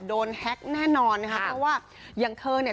แฮ็กแน่นอนนะคะเพราะว่าอย่างเธอเนี่ย